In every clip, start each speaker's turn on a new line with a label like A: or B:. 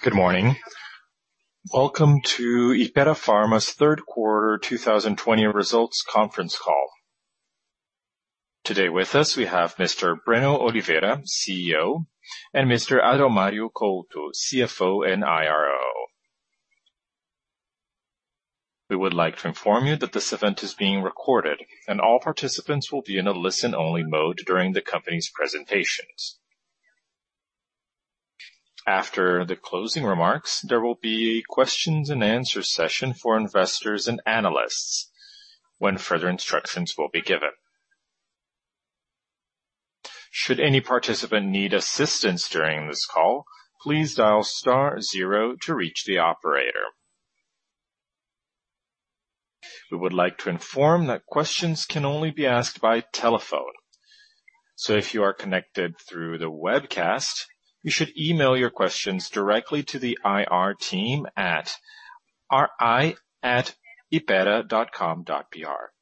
A: Good morning. Welcome to Hypera Pharma's third quarter 2020 results conference call. Today with us, we have Mr. Breno Oliveira, CEO, and Mr. Adalmario Couto, CFO and IRO. We would like to inform you that this event is being recorded, and all participants will be in a listen-only mode during the company's presentations. After the closing remarks, there will be a questions and answer session for investors and analysts when further instructions will be given. Should any participant need assistance during this call, please dial star zero to reach the operator. We would like to inform that questions can only be asked by telephone. if you are connected through the webcast, you should email your questions directly to the IR team at ir@hypera.com.br.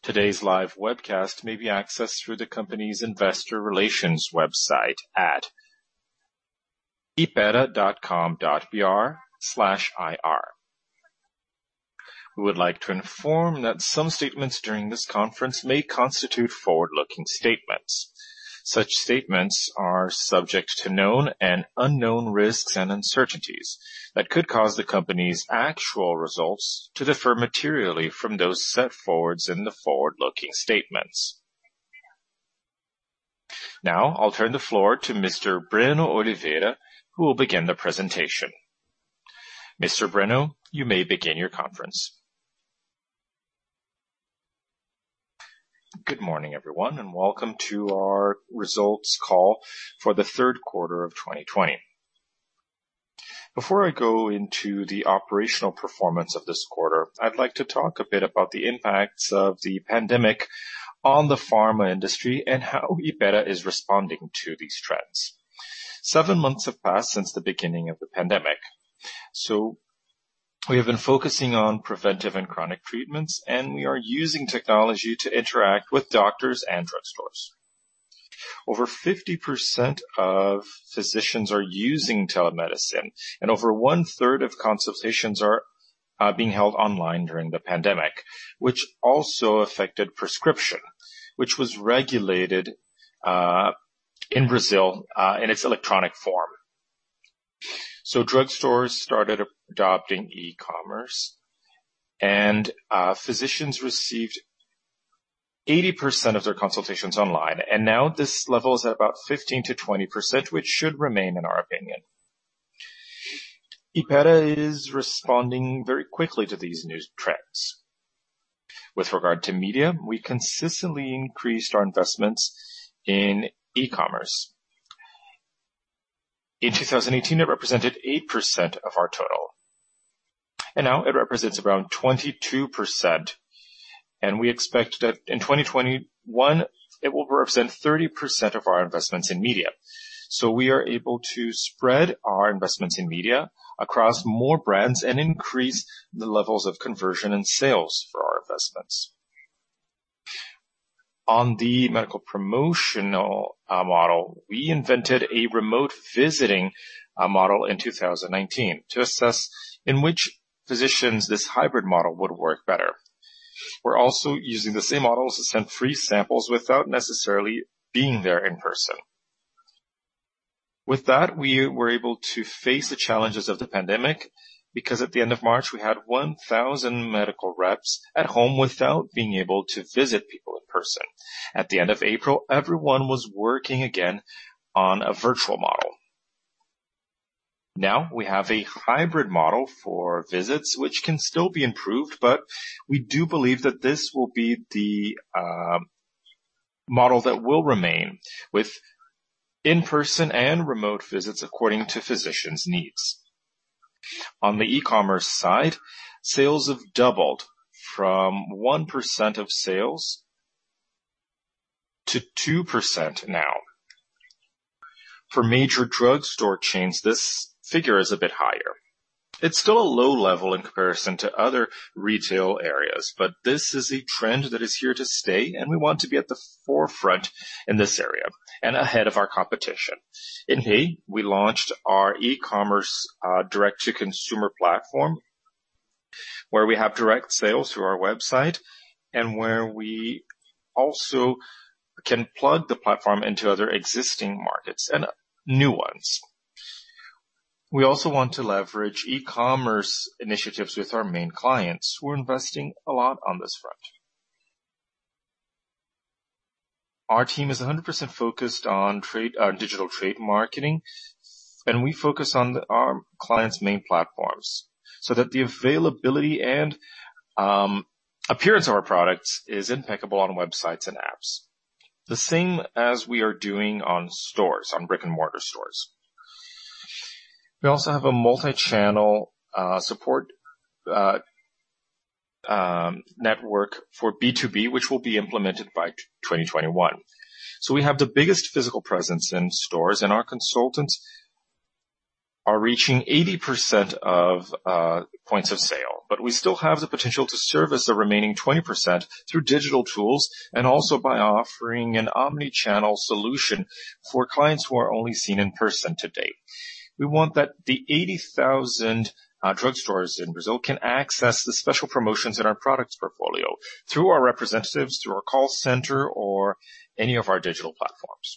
A: Today's live webcast may be accessed through the company's investor relations website at hypera.com.br/ir. We would like to inform that some statements during this conference may constitute forward-looking statements. Such statements are subject to known and unknown risks and uncertainties that could cause the company's actual results to differ materially from those set forth in the forward-looking statements. Now, I'll turn the floor to Mr. Breno Oliveira, who will begin the presentation. Mr. Breno, you may begin your conference.
B: Good morning, everyone, and welcome to our results call for the third quarter of 2020. Before I go into the operational performance of this quarter, I'd like to talk a bit about the impacts of the pandemic on the pharma industry and how Hypera is responding to these trends. Seven months have passed since the beginning of the pandemic, so we have been focusing on preventive and chronic treatments, and we are using technology to interact with doctors and drugstores. Over 50% of physicians are using telemedicine, and over 1/3 of consultations are being held online during the pandemic, which also affected prescription, which was regulated in Brazil in its electronic form. Drugstores started adopting e-commerce, and physicians received 80% of their consultations online, and now this level is at about 15%-20%, which should remain in our opinion. Hypera is responding very quickly to these new trends. With regard to media, we consistently increased our investments in e-commerce. In 2018, it represented 8% of our total, and now it represents around 22%, and we expect that in 2021, it will represent 30% of our investments in media. We are able to spread our investments in media across more brands and increase the levels of conversion and sales for our investments. On the medical promotional model, we invented a remote visiting model in 2019 to assess in which physicians this hybrid model would work better. We're also using the same models to send free samples without necessarily being there in person. With that, we were able to face the challenges of the pandemic, because at the end of March, we had 1,000 medical reps at home without being able to visit people in person. At the end of April, everyone was working again on a virtual model. Now we have a hybrid model for visits, which can still be improved, but we do believe that this will be the model that will remain with in-person and remote visits according to physicians' needs. On the e-commerce side, sales have doubled from 1% of sales to 2% now. For major drugstore chains, this figure is a bit higher. It's still a low level in comparison to other retail areas, but this is a trend that is here to stay, and we want to be at the forefront in this area and ahead of our competition. In May, we launched our e-commerce direct-to-consumer platform, where we have direct sales through our website and where we also can plug the platform into other existing markets and new ones. We also want to leverage e-commerce initiatives with our main clients who are investing a lot on this front. Our team is 100% focused on digital trade marketing, and we focus on our clients' main platforms so that the availability and appearance of our products is impeccable on websites and apps. The same as we are doing on stores, on brick-and-mortar stores. We also have a multi-channel support network for B2B, which will be implemented by 2021. We have the biggest physical presence in stores, and our consultants are reaching 80% of points of sale. we still have the potential to service the remaining 20% through digital tools, and also by offering an omni-channel solution for clients who are only seen in person to date. We want that the 80,000 drugstores in Brazil can access the special promotions in our products portfolio through our representatives, through our call center, or any of our digital platforms.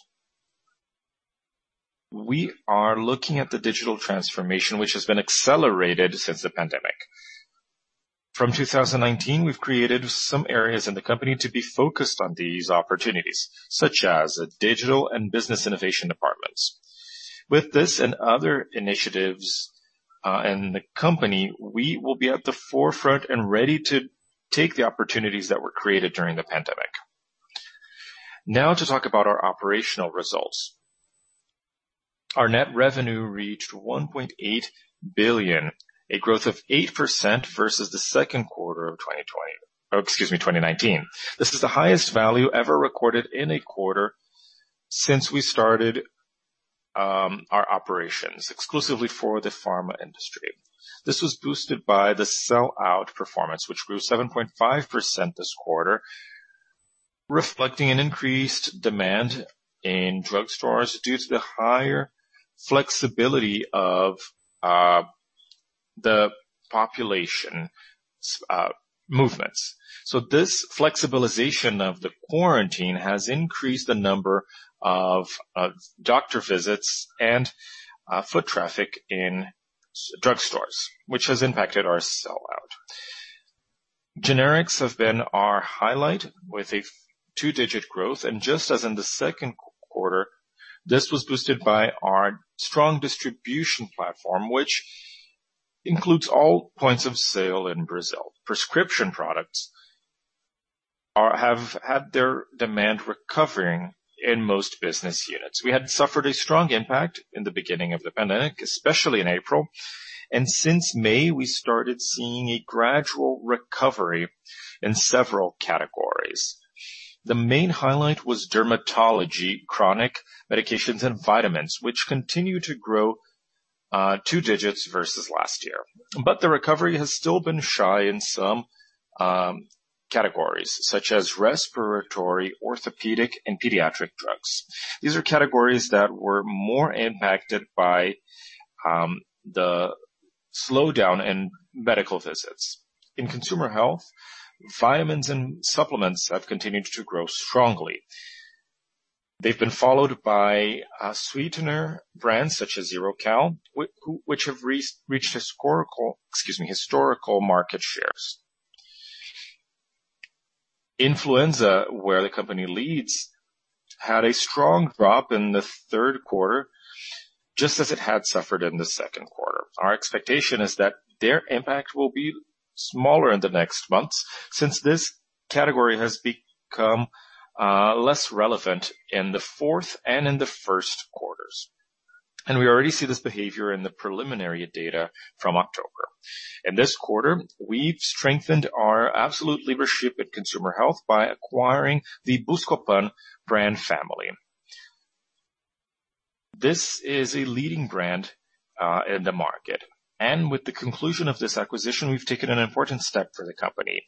B: We are looking at the digital transformation which has been accelerated since the pandemic. From 2019, we've created some areas in the company to be focused on these opportunities, such as digital and business innovation departments. With this and other initiatives in the company, we will be at the forefront and ready to take the opportunities that were created during the pandemic. Now to talk about our operational results. Our net revenue reached 1.8 billion, a growth of 8% versus the second quarter of 2020. Oh, excuse me, 2019. This is the highest value ever recorded in a quarter since we started our operations exclusively for the pharma industry. This was boosted by the sellout performance, which grew 7.5% this quarter, reflecting an increased demand in drugstores due to the higher flexibility of the population movements. This flexibilization of the quarantine has increased the number of doctor visits and foot traffic in drugstores, which has impacted our sellout. Generics have been our highlight with a two-digit growth. Just as in the second quarter, this was boosted by our strong distribution platform, which includes all points of sale in Brazil. Prescription products have had their demand recovering in most business units. We had suffered a strong impact in the beginning of the pandemic, especially in April. Since May, we started seeing a gradual recovery in several categories. The main highlight was dermatology, chronic medications, and vitamins, which continue to grow two digits versus last year. The recovery has still been shy in some categories, such as respiratory, orthopedic, and pediatric drugs. These are categories that were more impacted by the slowdown in medical visits. In Consumer Health, vitamins and supplements have continued to grow strongly. They've been followed by sweetener brands such as Zero-Cal, which have reached historical market shares. Influenza, where the company leads, had a strong drop in the third quarter, just as it had suffered in the second quarter. Our expectation is that their impact will be smaller in the next months, since this category has become less relevant in the fourth and first quarters. We already see this behavior in the preliminary data from October. In this quarter, we've strengthened our absolute leadership in Consumer Health by acquiring the Buscopan brand family. This is a leading brand in the market. With the conclusion of this acquisition, we've taken an important step for the company.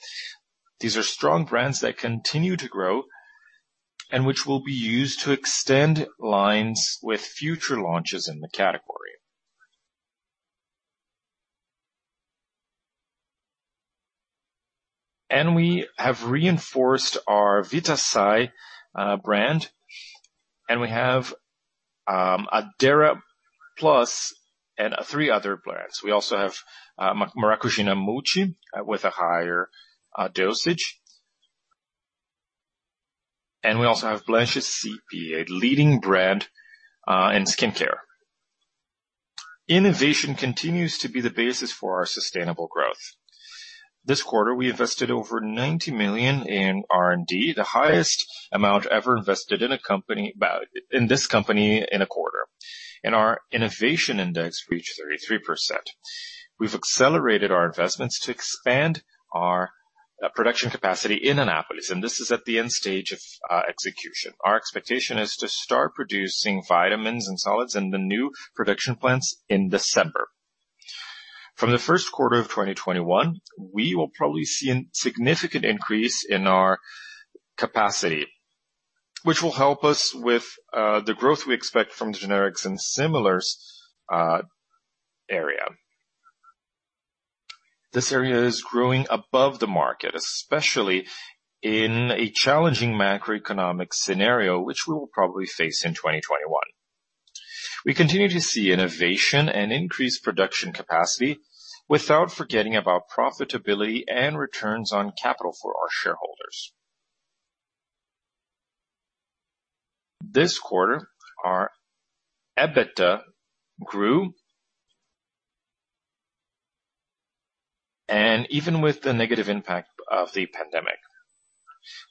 B: These are strong brands that continue to grow and which will be used to extend lines with future launches in the category. We have reinforced our Vitasay brand, and we have Addera Plus and three other brands. We also have Maracugina PI, with a higher dosage. We also have Blancy TX, a leading brand in skincare. Innovation continues to be the basis for our sustainable growth. This quarter, we invested over 90 million in R&D, the highest amount ever invested in this company in a quarter. Our innovation index reached 33%. We've accelerated our investments to expand our production capacity in Anápolis, this is at the end stage of execution. Our expectation is to start producing vitamins and solids in the new production plants in December. From the first quarter of 2021, we will probably see a significant increase in our capacity, which will help us with the growth we expect from the generics and similars area. This area is growing above the market, especially in a challenging macroeconomic scenario, which we will probably face in 2021. We continue to see innovation and increased production capacity without forgetting about profitability and returns on capital for our shareholders. This quarter, our EBITDA grew. Even with the negative impact of the pandemic.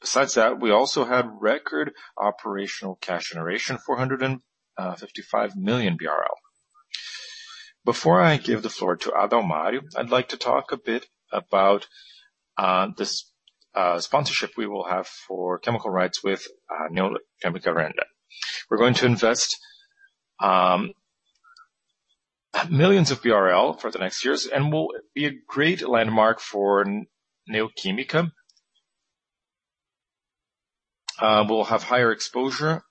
B: Besides that, we also had record operational cash generation, 455 million BRL. Before I give the floor to Adalmario, I'd like to talk a bit about the sponsorship we will have for naming rights with Neo Química Arena. We're going to invest millions of BRL for the next years, will be a great landmark for Neo Química. We'll have higher exposure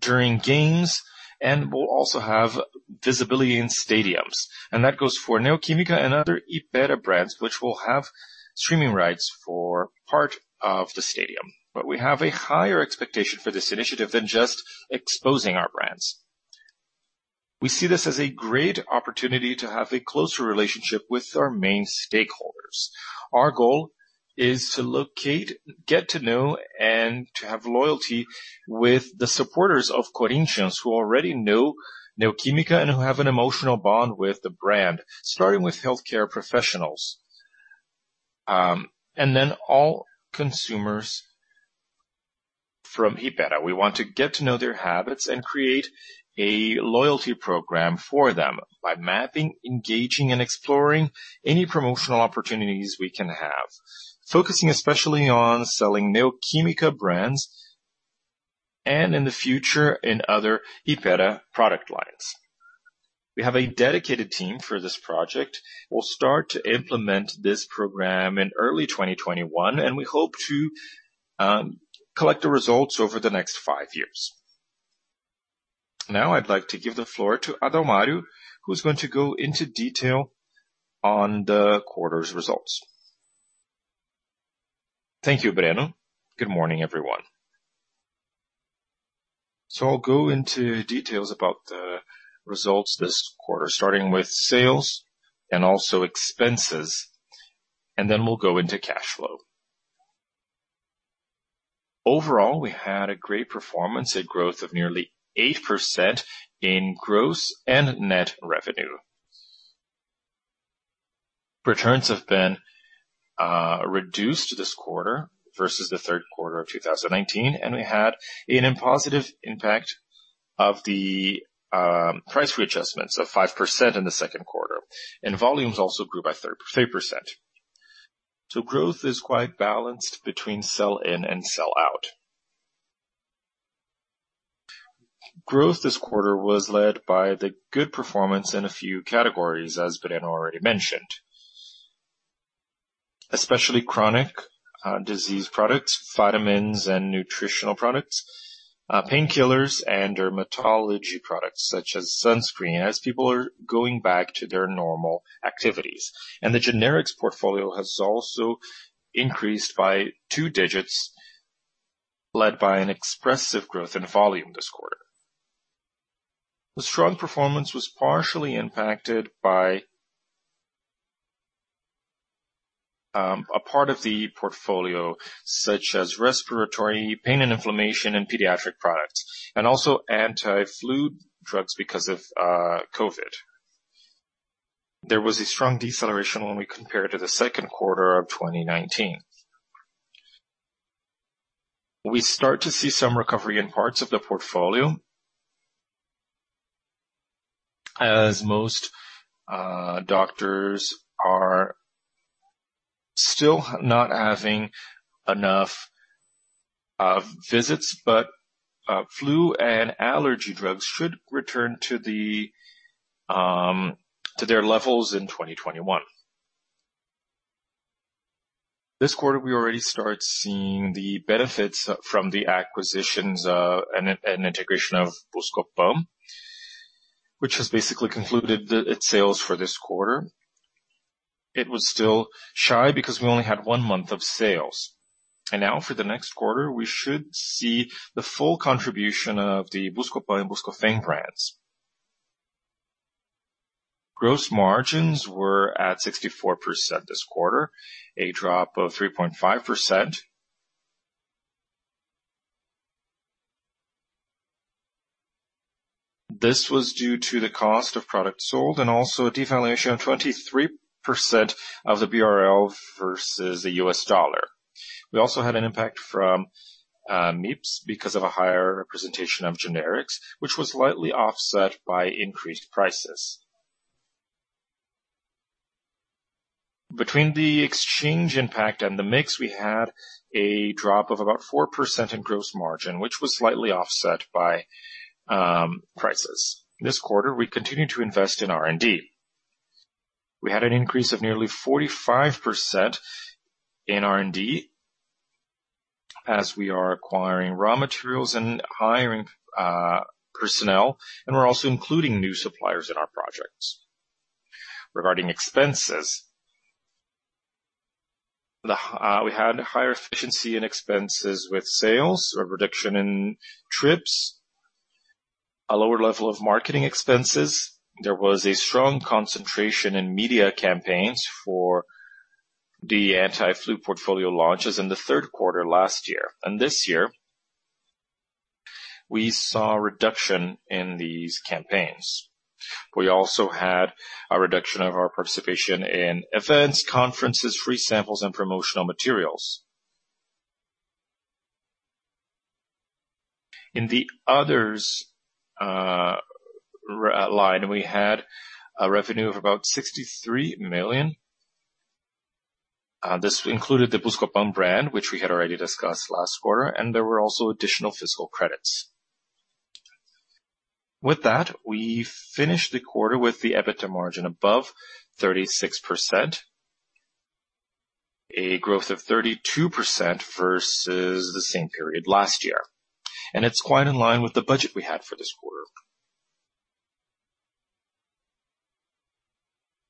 B: during games, we'll also have visibility in stadiums. That goes for Neo Química and other Hypera brands, which will have streaming rights for part of the stadium. We have a higher expectation for this initiative than just exposing our brands. We see this as a great opportunity to have a closer relationship with our main stakeholders. Our goal is to locate, get to know, and to have loyalty with the supporters of Corinthians who already know Neo Química and who have an emotional bond with the brand, starting with healthcare professionals. All consumers from Hypera. We want to get to know their habits and create a loyalty program for them by mapping, engaging, and exploring any promotional opportunities we can have. Focusing especially on selling Neo Química brands, and in the future, in other Hypera product lines. We have a dedicated team for this project. We'll start to implement this program in early 2021, and we hope to collect the results over the next five years. Now I'd like to give the floor to Adalmario, who's going to go into detail on the quarter's results.
C: Thank you, Breno. Good morning, everyone. I'll go into details about the results this quarter, starting with sales and also expenses, and then we'll go into cash flow. Overall, we had a great performance, a growth of nearly 8% in gross and net revenue. Returns have been reduced this quarter versus the third quarter of 2019. We had a positive impact of the price readjustments of 5% in the second quarter. Volumes also grew by 3%. Growth is quite balanced between sell in and sell out. Growth this quarter was led by the good performance in a few categories, as Breno already mentioned. Especially chronic disease products, vitamins and nutritional products, painkillers and dermatology products such as sunscreen, as people are going back to their normal activities. The generics portfolio has also increased by two digits, led by an expressive growth in volume this quarter. The strong performance was partially impacted by a part of the portfolio such as respiratory, pain and inflammation, and pediatric products, and also anti-flu drugs because of COVID. There was a strong deceleration when we compare to the second quarter of 2019. We start to see some recovery in parts of the portfolio, as most doctors are still not having enough visits, but flu and allergy drugs should return to their levels in 2021. This quarter, we already start seeing the benefits from the acquisitions, and integration of Buscopan, which has basically concluded its sales for this quarter. It was still shy because we only had one month of sales. Now for the next quarter, we should see the full contribution of the Buscopan and Buscofem brands. Gross margins were at 64% this quarter, a drop of 3.5%. This was due to the cost of product sold and also a devaluation of 23% of the BRL versus the USD. We also had an impact from mix because of a higher representation of generics, which was slightly offset by increased prices. Between the exchange impact and the mix, we had a drop of about 4% in gross margin, which was slightly offset by prices. This quarter, we continued to invest in R&D. We had an increase of nearly 45% in R&D as we are acquiring raw materials and hiring personnel. We're also including new suppliers in our projects. Regarding expenses, we had higher efficiency in expenses with sales, a reduction in trips, a lower level of marketing expenses. There was a strong concentration in media campaigns for the anti-flu portfolio launches in the third quarter last year. This year, we saw a reduction in these campaigns. We also had a reduction of our participation in events, conferences, free samples, and promotional materials. In the others line, we had a revenue of about 63 million. This included the Buscopan brand, which we had already discussed last quarter, and there were also additional fiscal credits. With that, we finished the quarter with the EBITDA margin above 36%, a growth of 32% versus the same period last year, and it's quite in line with the budget we had for this quarter.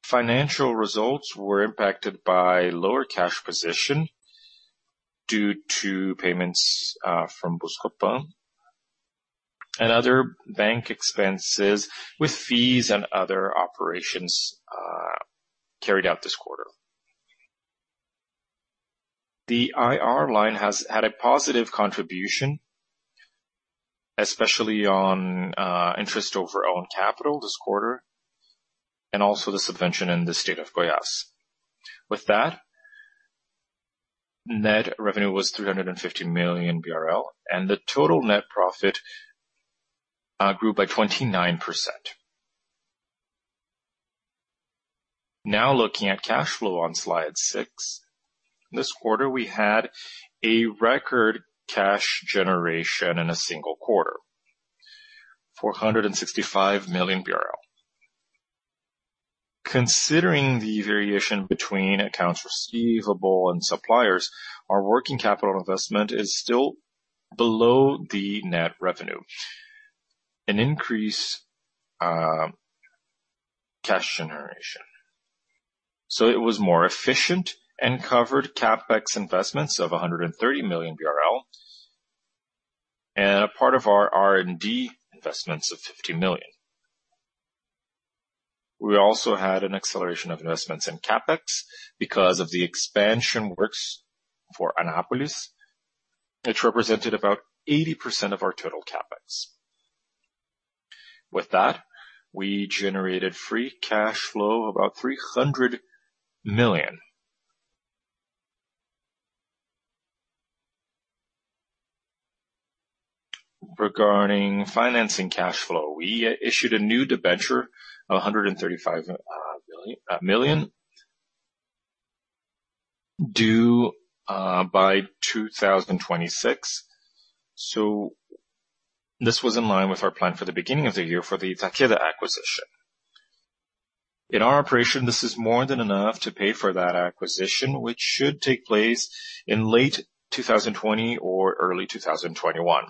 C: Financial results were impacted by lower cash position due to payments from Buscopan and other bank expenses with fees and other operations carried out this quarter. The IR line has had a positive contribution, especially on interest over own capital this quarter, and also the subvention in the state of Goiás. With that, net revenue was 350 million BRL, and the total net profit grew by 29%. Looking at cash flow on slide six. This quarter, we had a record cash generation in a single quarter, 465 million. Considering the variation between accounts receivable and suppliers, our working capital investment is still below the net revenue, an increase cash generation. It was more efficient and covered CapEx investments of 130 million BRL and a part of our R&D investments of 50 million. We also had an acceleration of investments in CapEx because of the expansion works for Anápolis, which represented about 80% of our total CapEx. With that, we generated free cash flow of about 300 million. Regarding financing cash flow, we issued a new debenture of 135 million due by 2026. This was in line with our plan for the beginning of the year for the Takeda acquisition. In our operation, this is more than enough to pay for that acquisition, which should take place in late 2020 or early 2021.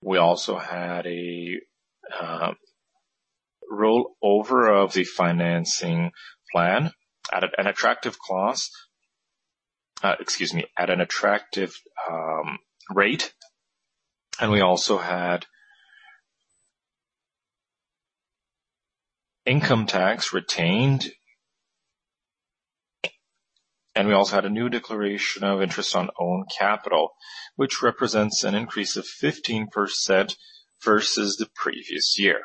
C: We also had a rollover of the financing plan at an attractive cost. Excuse me, at an attractive rate. We also had income tax retained, and we also had a new declaration of interest on own capital, which represents an increase of 15% versus the previous year.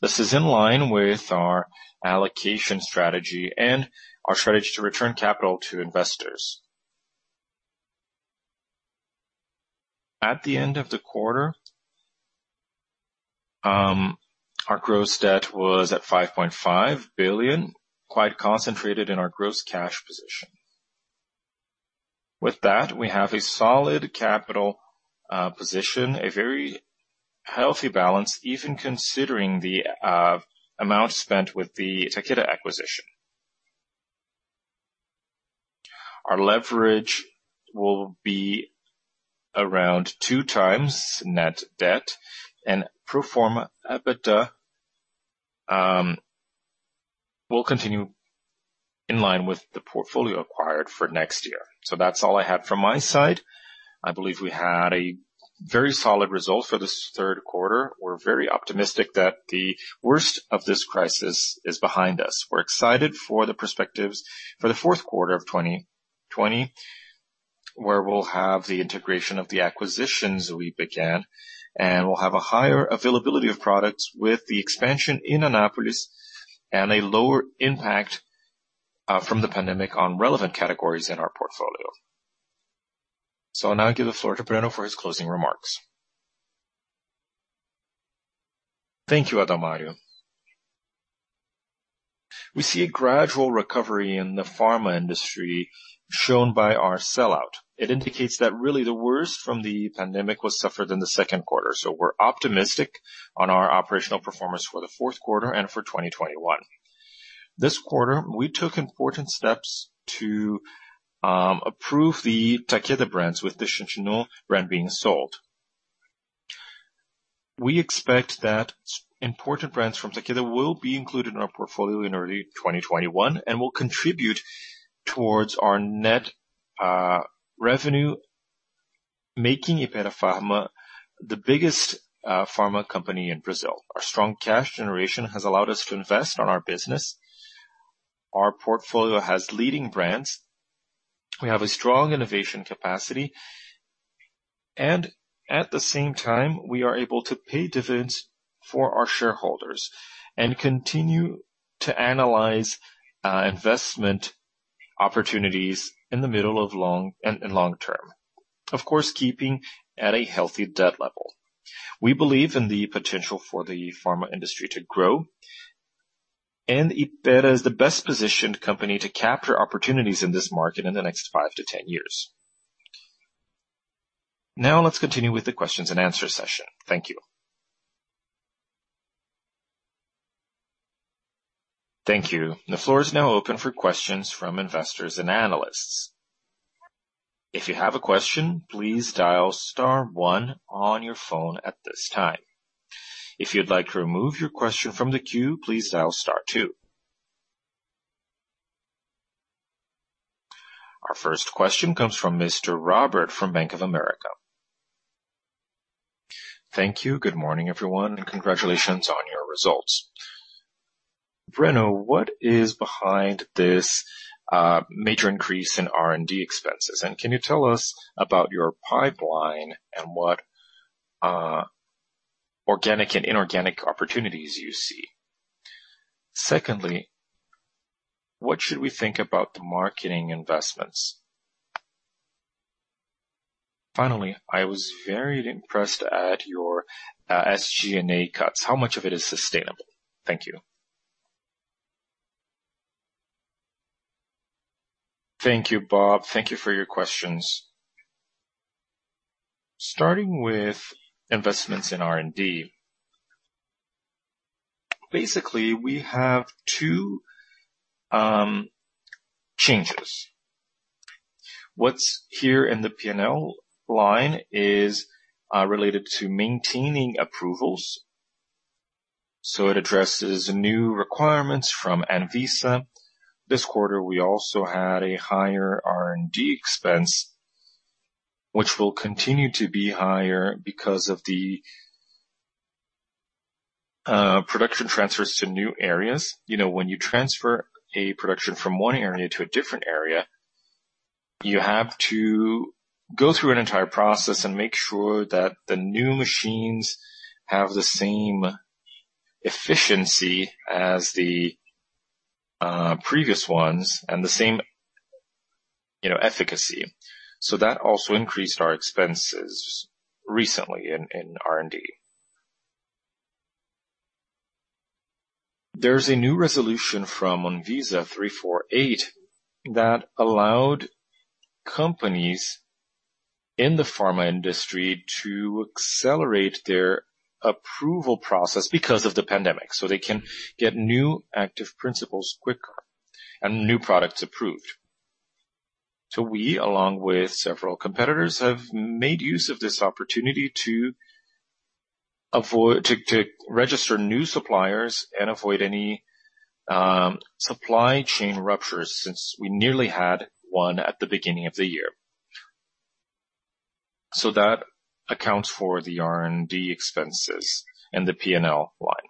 C: This is in line with our allocation strategy and our strategy to return capital to investors. At the end of the quarter, our gross debt was at 5.5 billion, quite concentrated in our gross cash position. With that, we have a solid capital position, a very healthy balance, even considering the amount spent with the Takeda acquisition. Our leverage will be around 2x net debt and pro forma EBITDA will continue in line with the portfolio acquired for next year. That's all I had from my side. I believe we had a very solid result for this third quarter. We're very optimistic that the worst of this crisis is behind us. We're excited for the perspectives for the fourth quarter of 2020, where we'll have the integration of the acquisitions we began, and we'll have a higher availability of products with the expansion in Anápolis and a lower impact from the pandemic on relevant categories in our portfolio. I'll now give the floor to Breno for his closing remarks.
B: Thank you, Adalmario. We see a gradual recovery in the pharma industry shown by our sell-out. It indicates that really the worst from the pandemic was suffered in the second quarter. We're optimistic on our operational performance for the fourth quarter and for 2021. This quarter, we took important steps to approve the Takeda brands, with the Xantinon brand being sold. We expect that important brands from Takeda will be included in our portfolio in early 2021 and will contribute towards our net revenue, making Hypera Pharma the biggest pharma company in Brazil. Our strong cash generation has allowed us to invest on our business. Our portfolio has leading brands. We have a strong innovation capacity, and at the same time, we are able to pay dividends for our shareholders and continue to analyze investment opportunities in the mid and long term. Of course, keeping at a healthy debt level. We believe in the potential for the pharma industry to grow, and Hypera is the best-positioned company to capture opportunities in this market in the next five to 10 years. Now let's continue with the questions and answer session. Thank you.
A: Thank you. The floor is now open for questions from investors and analysts. If you have a question, please dial star one on your phone at this time. If you'd like to remove your question from the queue, please dial star two. Our first question comes from Mr. Robert from Bank of America.
D: Thank you. Good morning, everyone, and congratulations on your results. Breno, what is behind this major increase in R&D expenses? Can you tell us about your pipeline and what organic and inorganic opportunities you see? Secondly, what should we think about the marketing investments? Finally, I was very impressed at your SG&A cuts. How much of it is sustainable? Thank you.
B: Thank you, Bob. Thank you for your questions. Starting with investments in R&D. Basically, we have two changes. What's here in the P&L line is related to maintaining approvals. It addresses new requirements from Anvisa. This quarter, we also had a higher R&D expense, which will continue to be higher because of the production transfers to new areas. When you transfer a production from one area to a different area, you have to go through an entire process and make sure that the new machines have the same efficiency as the previous ones and the same efficacy. That also increased our expenses recently in R&D. There's a new resolution from Anvisa, 348, that allowed companies in the pharma industry to accelerate their approval process because of the pandemic, so they can get new active principles quicker and new products approved. We, along with several competitors, have made use of this opportunity to register new suppliers and avoid any supply chain ruptures since we nearly had one at the beginning of the year. That accounts for the R&D expenses and the P&L line.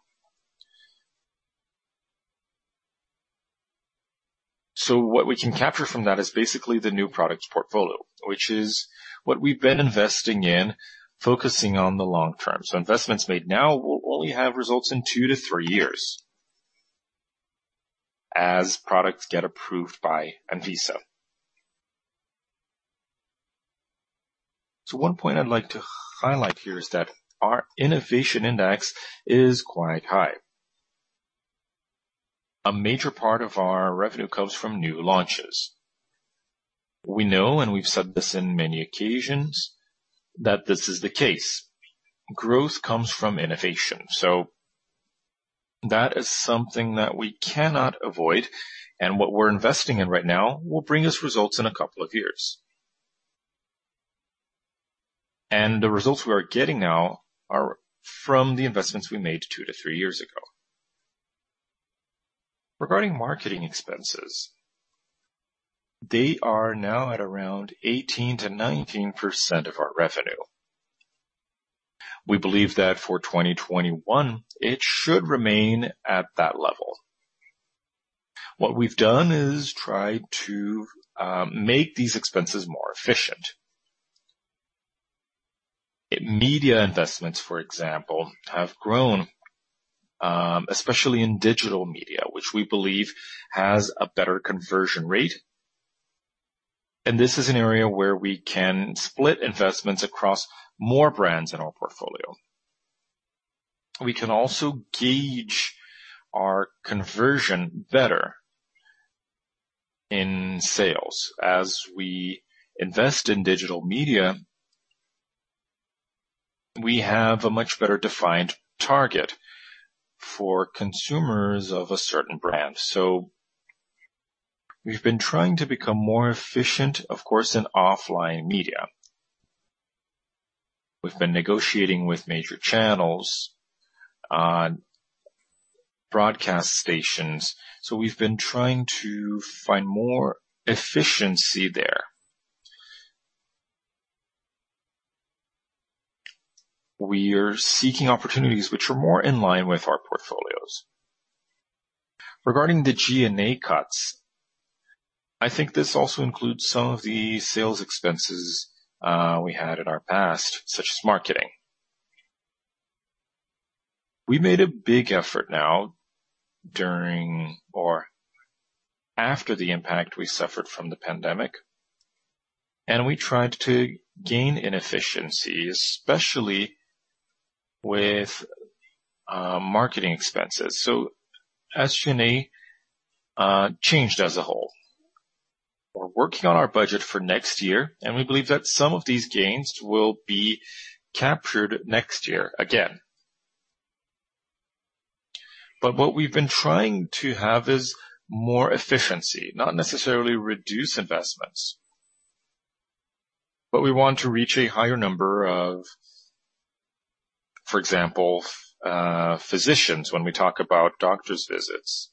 B: What we can capture from that is basically the new products portfolio, which is what we've been investing in, focusing on the long term. Investments made now will only have results in two to three years as products get approved by Anvisa. One point I'd like to highlight here is that our innovation index is quite high. A major part of our revenue comes from new launches. We know, and we've said this in many occasions, that this is the case. Growth comes from innovation. That is something that we cannot avoid, and what we're investing in right now will bring us results in a couple of years. The results we are getting now are from the investments we made two to three years ago. Regarding marketing expenses, they are now at around 18%-19% of our revenue. We believe that for 2021, it should remain at that level. What we've done is try to make these expenses more efficient. Media investments, for example, have grown, especially in digital media, which we believe has a better conversion rate. This is an area where we can split investments across more brands in our portfolio. We can also gauge our conversion better in sales. As we invest in digital media, we have a much better defined target for consumers of a certain brand. We've been trying to become more efficient, of course, in offline media. We've been negotiating with major channels on broadcast stations, so we've been trying to find more efficiency there. We are seeking opportunities which are more in line with our portfolios. Regarding the G&A cuts, I think this also includes some of the sales expenses we had in our past, such as marketing. We made a big effort now during or after the impact we suffered from the pandemic, and we tried to gain efficiency, especially with marketing expenses. S&A changed as a whole. We're working on our budget for next year, and we believe that some of these gains will be captured next year again. What we've been trying to have is more efficiency, not necessarily reduce investments. We want to reach a higher number of, for example, physicians when we talk about doctor's visits.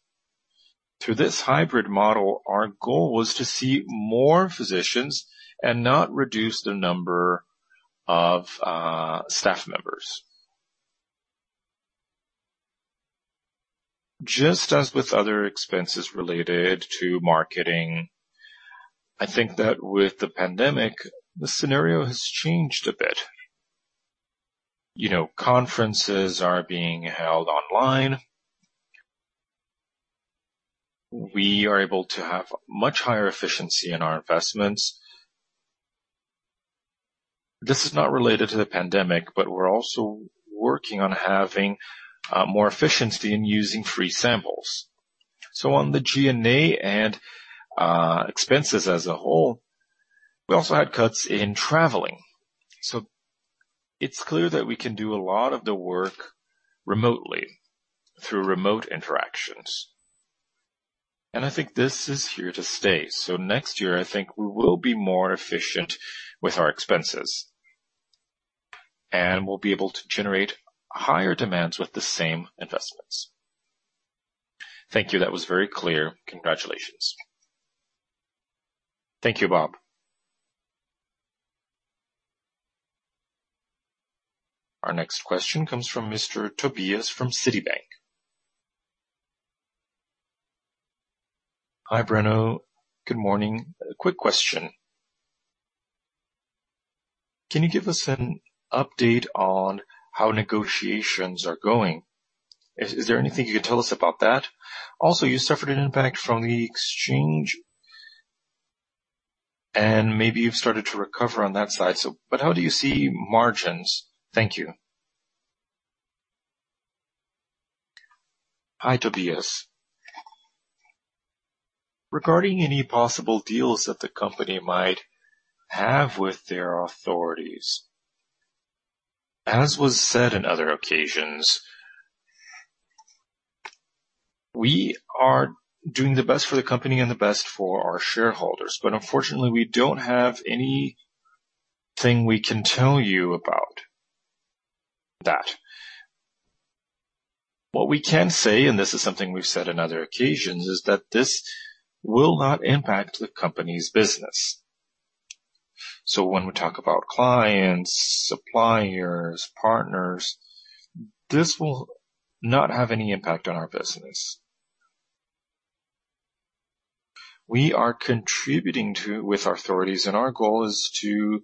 B: Through this hybrid model, our goal is to see more physicians and not reduce the number of staff members. Just as with other expenses related to marketing, I think that with the pandemic, the scenario has changed a bit. Conferences are being held online. We are able to have much higher efficiency in our investments. This is not related to the pandemic, but we're also working on having more efficiency in using free samples. On the G&A and expenses as a whole, we also had cuts in traveling. It's clear that we can do a lot of the work remotely through remote interactions, and I think this is here to stay. Next year, I think we will be more efficient with our expenses, and we'll be able to generate higher demands with the same investments.
D: Thank you. That was very clear. Congratulations.
B: Thank you, Bob.
A: Our next question comes from Mr. Tobias from Citibank.
E: Hi, Breno. Good morning. A quick question. Can you give us an update on how negotiations are going? Is there anything you can tell us about that? Also, you suffered an impact from the exchange, and maybe you've started to recover on that side, but how do you see margins? Thank you.
B: Hi, Tobias. Regarding any possible deals that the company might have with their authorities, as was said in other occasions, we are doing the best for the company and the best for our shareholders. Unfortunately, we don't have anything we can tell you about that. What we can say, and this is something we've said in other occasions, is that this will not impact the company's business. When we talk about clients, suppliers, partners, this will not have any impact on our business. We are contributing with authorities, and our goal is to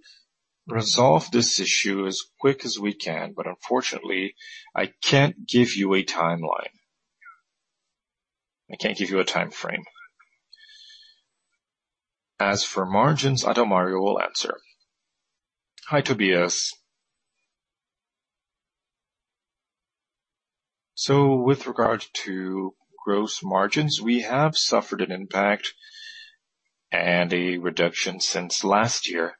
B: resolve this issue as quick as we can, but unfortunately, I can't give you a timeline. I can't give you a timeframe. As for margins, Adalmario will answer.
C: Hi, Tobias. With regard to gross margins, we have suffered an impact and a reduction since last year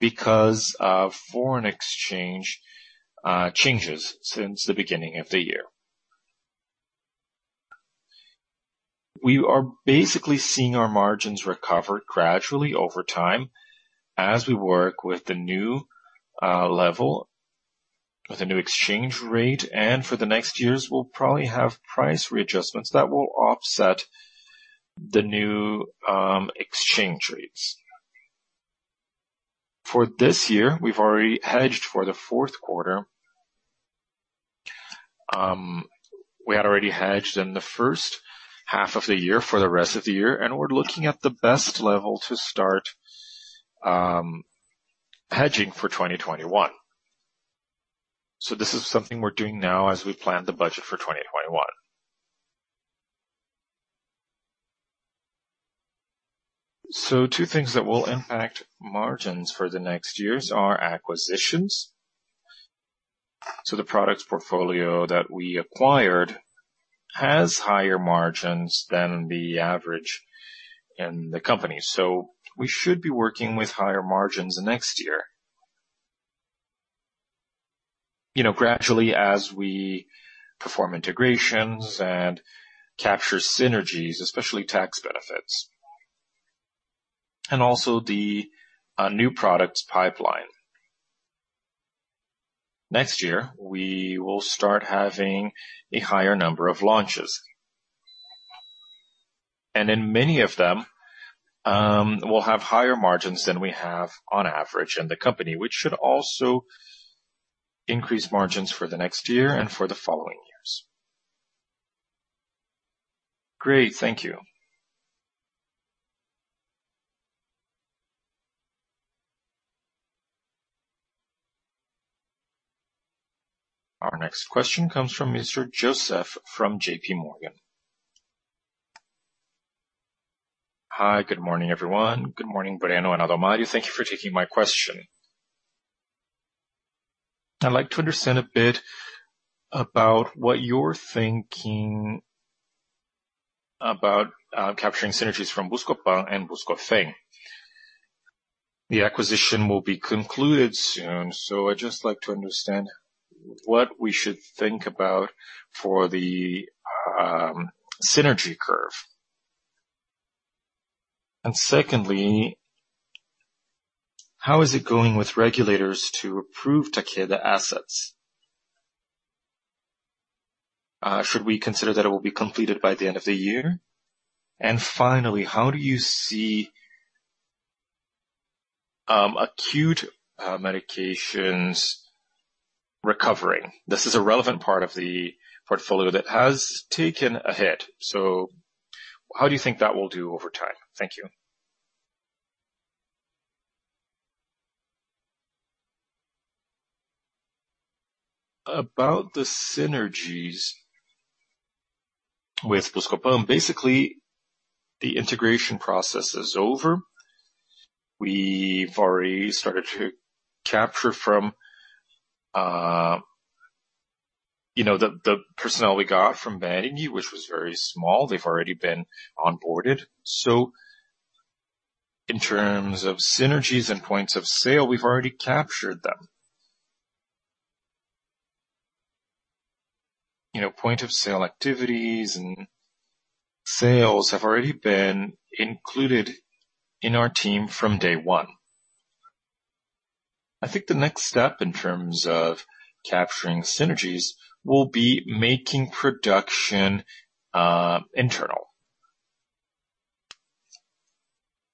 C: because of foreign exchange changes since the beginning of the year. We are basically seeing our margins recover gradually over time as we work with the new level, with the new exchange rate, and for the next years, we'll probably have price readjustments that will offset the new exchange rates. For this year, we've already hedged for the fourth quarter. We had already hedged in the first half of the year for the rest of the year, and we're looking at the best level to start hedging for 2021. This is something we're doing now as we plan the budget for 2021. Two things that will impact margins for the next years are acquisitions. The products portfolio that we acquired has higher margins than the average in the company. We should be working with higher margins next year. Gradually as we perform integrations and capture synergies, especially tax benefits. also the new products pipeline. Next year, we will start having a higher number of launches. in many of them, we'll have higher margins than we have on average in the company, which should also increase margins for the next year and for the following years.
E: Great. Thank you.
A: Our next question comes from Mr. Joseph from JPMorgan.
F: Hi, good morning, everyone. Good morning, Breno and Adalmario. Thank you for taking my question. I'd like to understand a bit about what you're thinking about capturing synergies from Buscopan and Buscofem. The acquisition will be concluded soon, so I'd just like to understand what we should think about for the synergy curve. Secondly, how is it going with regulators to approve Takeda assets? Should we consider that it will be completed by the end of the year? Finally, how do you see acute medications recovering? This is a relevant part of the portfolio that has taken a hit. How do you think that will do over time? Thank you.
B: About the synergies with Buscopan, basically, the integration process is over. We've already started to capture from the personnel we got from Barueri, which was very small. They've already been onboarded. So in terms of synergies and points-of-sale, we've already captured them. Point-of-sale activities and sales have already been included in our team from day one. I think the next step in terms of capturing synergies, we'll be making production internal.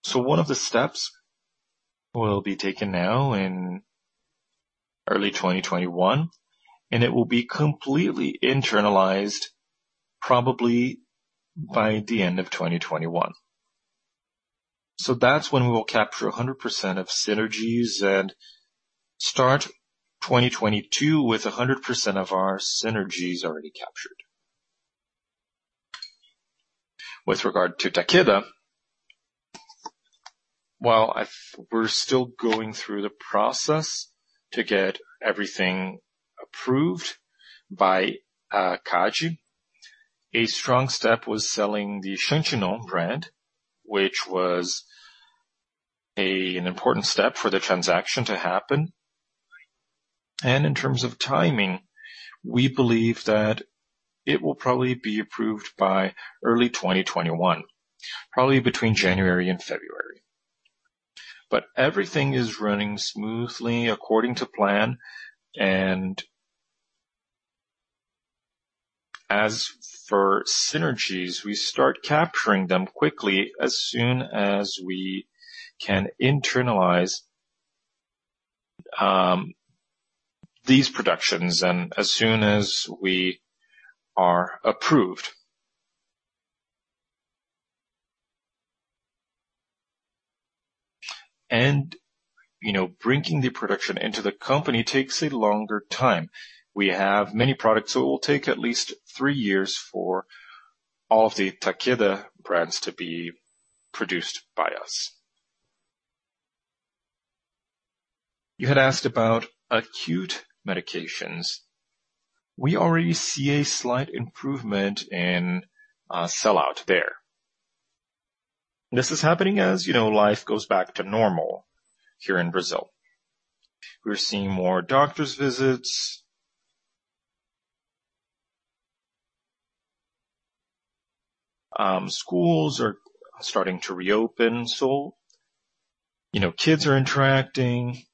B: So one of the steps will be taken now in early 2021, and it will be completely internalized probably by the end of 2021. So that's when we will capture 100% of synergies and start 2022 with 100% of our synergies already captured. With regard to Takeda, well, we're still going through the process to get everything approved by CADE. A strong step was selling the Xantinon brand, which was an important step for the transaction to happen. In terms of timing, we believe that it will probably be approved by early 2021, probably between January and February. Everything is running smoothly according to plan. As for synergies, we start capturing them quickly as soon as we can internalize these productions, and as soon as we are approved. Bringing the production into the company takes a longer time. We have many products, so it will take at least three years for all of the Takeda brands to be produced by us. You had asked about acute medications. We already see a slight improvement in sellout there. This is happening as life goes back to normal here in Brazil. We're seeing more doctor's visits. Schools are starting to reopen, so kids are interacting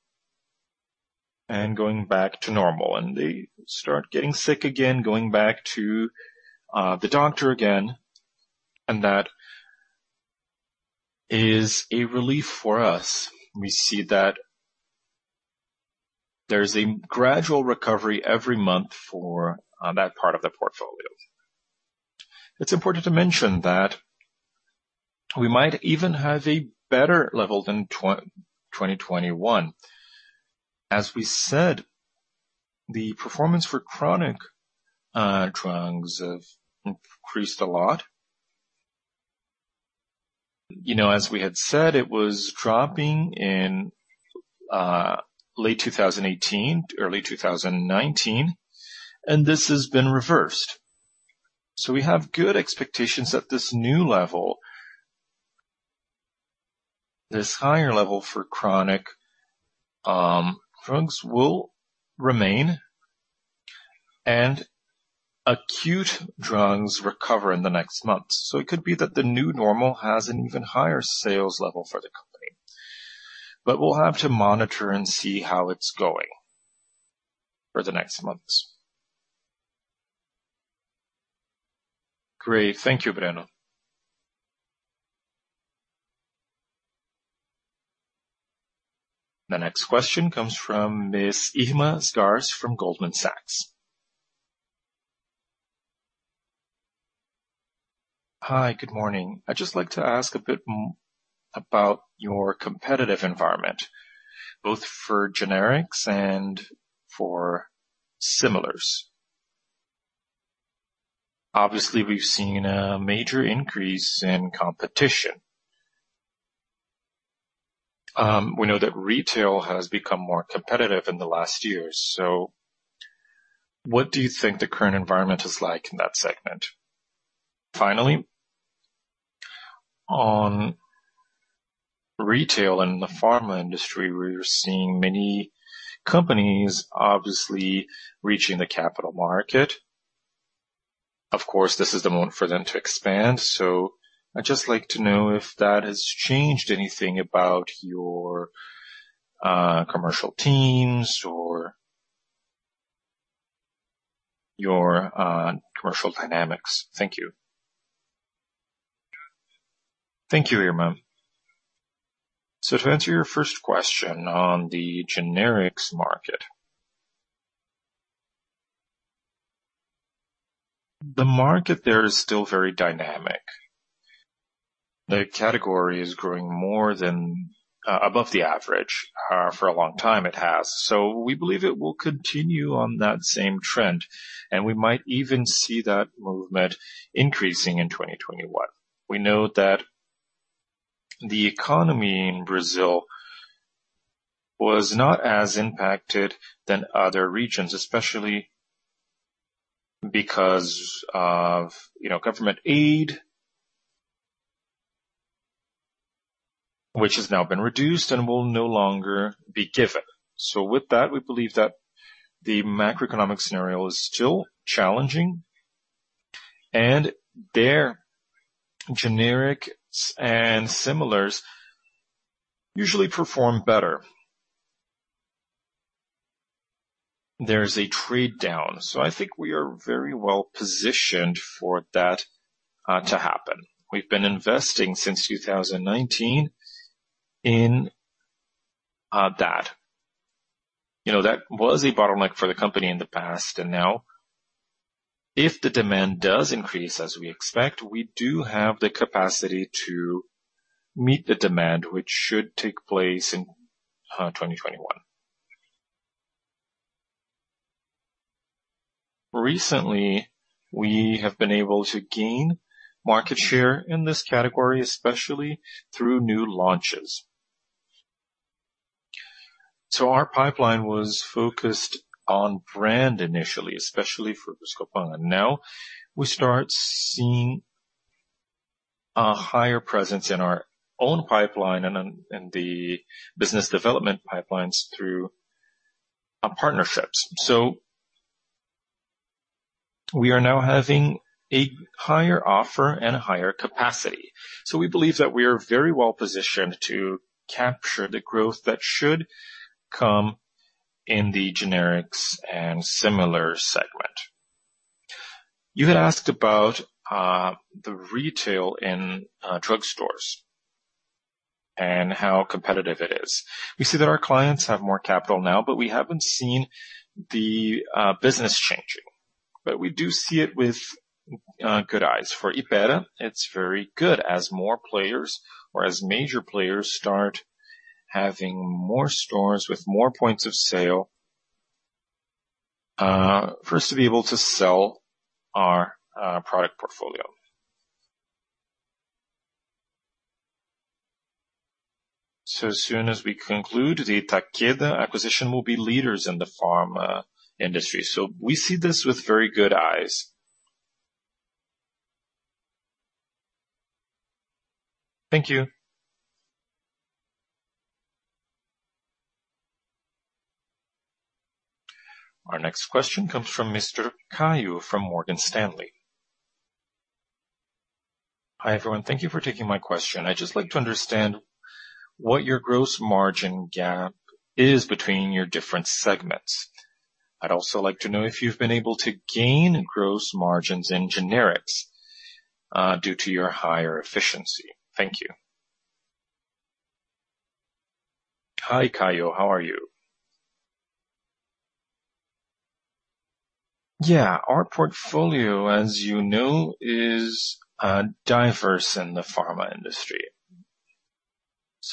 B: and going back to normal, and they start getting sick again, going back to the doctor again, and that is a relief for us. We see that there's a gradual recovery every month for that part of the portfolio. It's important to mention that we might even have a better level than 2021. As we said, the performance for chronic drugs have increased a lot. As we had said, it was dropping in late 2018, early 2019, and this has been reversed. We have good expectations that this new level, this higher level for chronic drugs will remain and acute drugs recover in the next months. It could be that the new normal has an even higher sales level for the company. We'll have to monitor and see how it's going for the next months.
F: Great. Thank you, Breno.
A: The next question comes from Ms. Irma Sgarz from Goldman Sachs.
G: Hi, good morning. I'd just like to ask a bit more about your competitive environment, both for generics and for similars. Obviously, we've seen a major increase in competition. We know that retail has become more competitive in the last years, so what do you think the current environment is like in that segment? Finally, on retail in the pharma industry, we're seeing many companies obviously reaching the capital market. Of course, this is the moment for them to expand. I'd just like to know if that has changed anything about your commercial teams or your commercial dynamics. Thank you.
B: Thank you, Irma. To answer your first question on the generics market. The market there is still very dynamic. The category is growing above the average. For a long time it has. We believe it will continue on that same trend, and we might even see that movement increasing in 2021. We know that the economy in Brazil was not as impacted than other regions, especially because of government aid, which has now been reduced and will no longer be given. With that, we believe that the macroeconomic scenario is still challenging, and there, generics and similars usually perform better. There's a trade-down. I think we are very well-positioned for that to happen. We've been investing since 2019 in that. That was a bottleneck for the company in the past, and now if the demand does increase as we expect, we do have the capacity to meet the demand, which should take place in 2021. Recently, we have been able to gain market share in this category, especially through new launches. Our pipeline was focused on brand initially, especially for Buscopan, and now we start seeing a higher presence in our own pipeline and in the business development pipelines through partnerships. We are now having a higher offer and higher capacity. We believe that we are very well-positioned to capture the growth that should come in the generics and similar segment. You had asked about the retail in drugstores and how competitive it is. We see that our clients have more capital now, but we haven't seen the business changing. We do see it with good eyes. For Hypera, it's very good as more players or as major players start having more stores with more points of sale for us to be able to sell our product portfolio. As soon as we conclude the Takeda acquisition, we'll be leaders in the pharma industry. We see this with very good eyes.
G: Thank you.
A: Our next question comes from Mr. Caio from Morgan Stanley.
H: Hi, everyone. Thank you for taking my question. I'd just like to understand what your gross margin gap is between your different segments. I'd also like to know if you've been able to gain gross margins in generics due to your higher efficiency. Thank you.
B: Hi, Caio. How are you? Yeah. Our portfolio, as you know, is diverse in the pharma industry.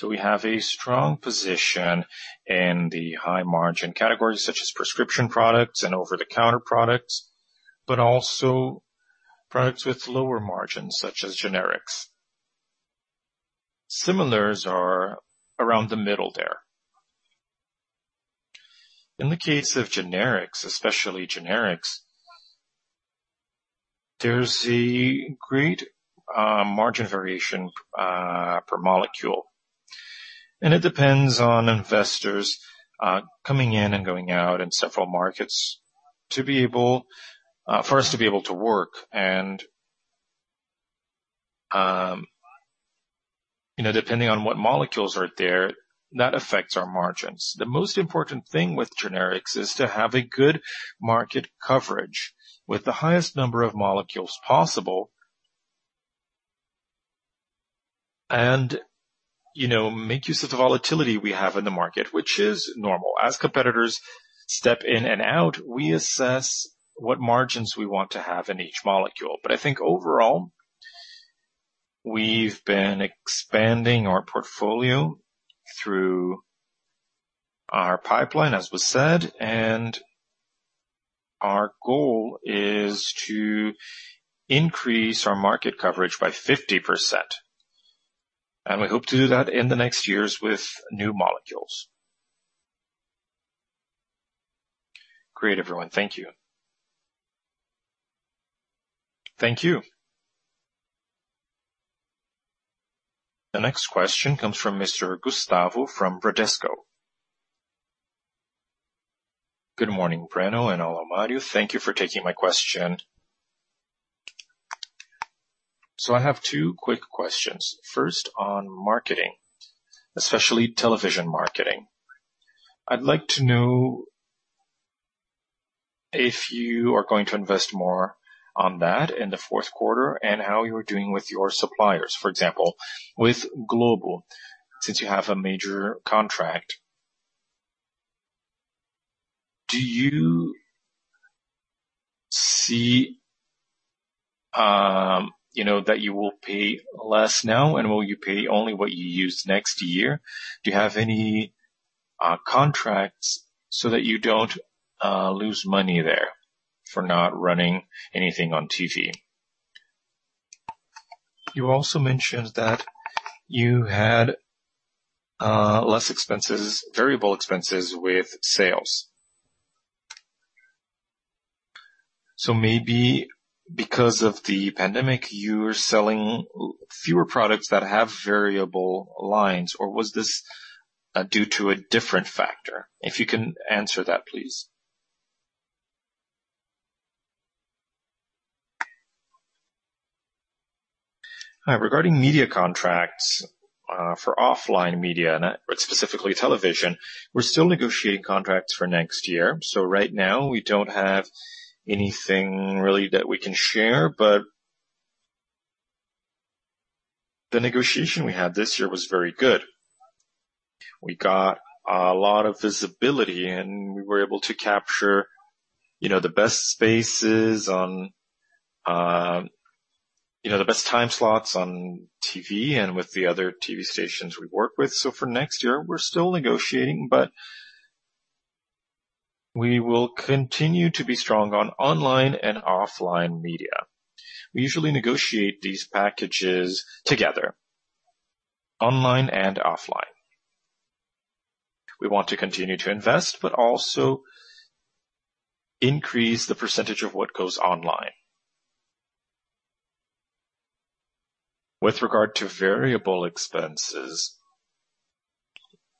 B: We have a strong position in the high margin categories such as prescription products and over-the-counter products, but also products with lower margins such as generics. Similars are around the middle there. In the case of generics, especially generics, there's a great margin variation per molecule. it depends on investors coming in and going out in several markets for us to be able to work and, depending on what molecules are there, that affects our margins. The most important thing with generics is to have a good market coverage with the highest number of molecules possible make use of the volatility we have in the market, which is normal. As competitors step in and out, we assess what margins we want to have in each molecule. I think overall, we've been expanding our portfolio through our pipeline, as was said, and our goal is to increase our market coverage by 50%, and we hope to do that in the next years with new molecules.
H: Great, everyone. Thank you.
B: Thank you.
A: The next question comes from Mr. Gustavo from Bradesco.
I: Good morning, Breno and Adalmario. Thank you for taking my question. I have two quick questions. First, on marketing, especially television marketing. I'd like to know if you are going to invest more on that in the fourth quarter and how you are doing with your suppliers. For example, with Globo, since you have a major contract, do you see that you will pay less now, and will you pay only what you use next year? Do you have any contracts so that you don't lose money there for not running anything on TV? You also mentioned that you had less variable expenses with sales. maybe because of the pandemic, you're selling fewer products that have variable lines, or was this due to a different factor? If you can answer that, please.
B: Regarding media contracts for offline media and specifically television, we're still negotiating contracts for next year. Right now, we don't have anything really that we can share, but the negotiation we had this year was very good. We got a lot of visibility, and we were able to capture the best time slots on TV and with the other TV stations we work with. For next year, we're still negotiating, but we will continue to be strong on online and offline media. We usually negotiate these packages together, online and offline. We want to continue to invest but also increase the percentage of what goes online. With regard to variable expenses,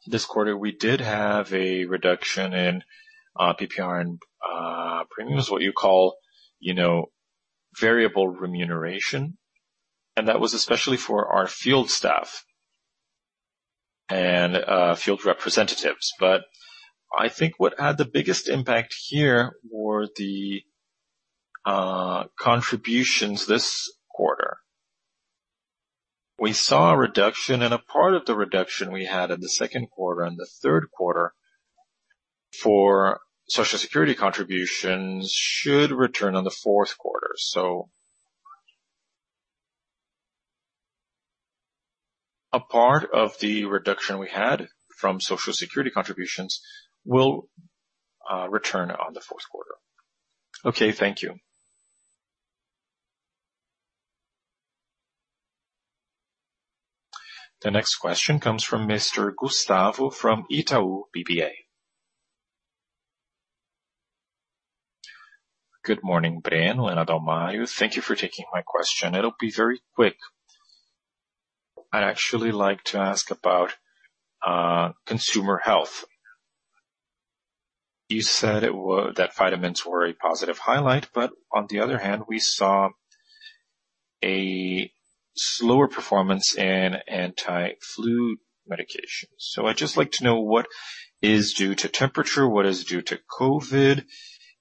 B: this quarter, we did have a reduction in PPR and premiums, what you call variable remuneration. That was especially for our field staff and field representatives. I think what had the biggest impact here were the contributions this quarter. We saw a reduction, and a part of the reduction we had in the second quarter and the third quarter for Social Security contributions should return on the fourth quarter. A part of the reduction we had from Social Security contributions will return on the fourth quarter.
I: Okay, thank you.
A: The next question comes from Mr. Gustavo from Itaú BBA.
J: Good morning, Breno and Adalmario. Thank you for taking my question. It'll be very quick. I'd actually like to ask about Consumer Health. You said that vitamins were a positive highlight, but on the other hand, we saw a slower performance in anti-flu medications. I'd just like to know what is due to temperature, what is due to COVID,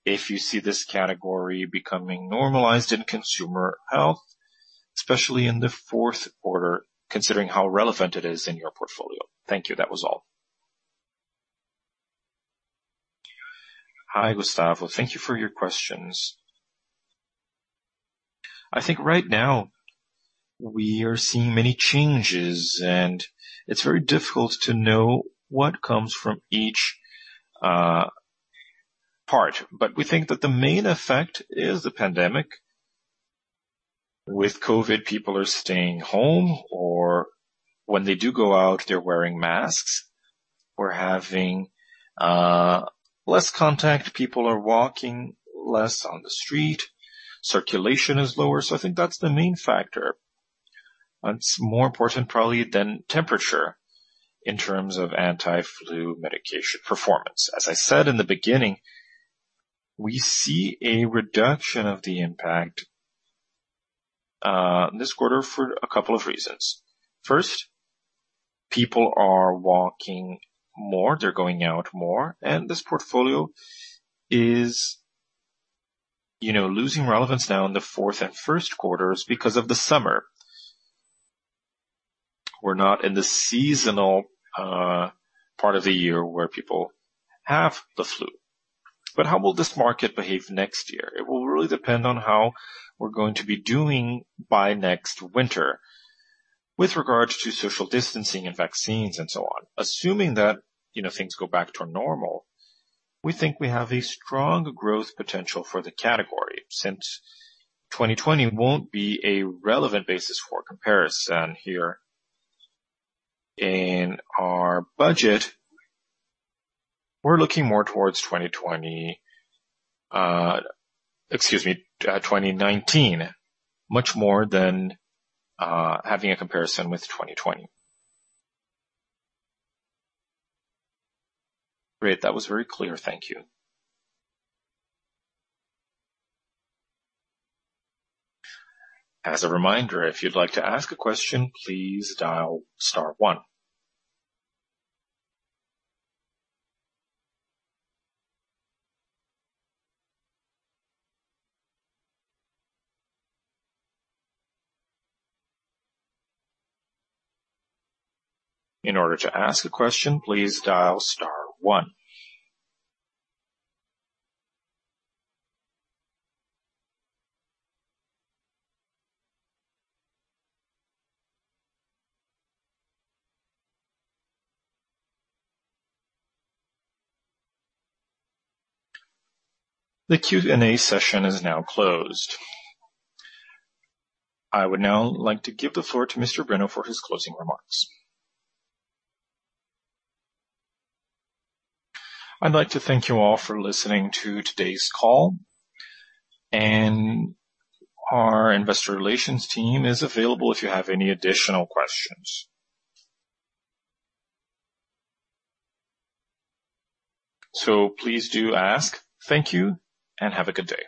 J: if you see this category becoming normalized in Consumer Health, especially in the fourth quarter, considering how relevant it is in your portfolio. Thank you. That was all.
B: Hi, Gustavo. Thank you for your questions. I think right now we are seeing many changes, and it's very difficult to know what comes from each part. We think that the main effect is the pandemic. With COVID, people are staying home, or when they do go out, they're wearing masks or having less contact. People are walking less on the street. Circulation is lower. I think that's the main factor. It's more important probably than temperature in terms of anti-flu medication performance. As I said in the beginning, we see a reduction of the impact this quarter for a couple of reasons. First, people are walking more, they're going out more, and this portfolio is losing relevance now in the fourth and first quarters because of the summer. We're not in the seasonal part of the year where people have the flu. How will this market behave next year? It will really depend on how we're going to be doing by next winter with regards to social distancing and vaccines and so on. Assuming that things go back to normal, we think we have a strong growth potential for the category, since 2020 won't be a relevant basis for comparison here. In our budget, we're looking more towards 2020- Excuse me, 2019, much more than having a comparison with 2020.
J: Great. That was very clear. Thank you.
A: I would now like to give the floor to Mr. Breno for his closing remarks.
B: I'd like to thank you all for listening to today's call, and our investor relations team is available if you have any additional questions. Please do ask. Thank you, and have a good day.